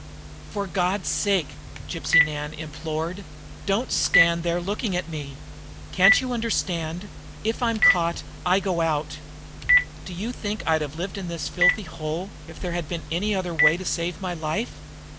"For God's sake," Gypsy Nan implored, "don't stand there looking at me! Can't you understand? If I'm caught, I go out. Do you think I'd have lived in this filthy hole if there had been any other way to save my life?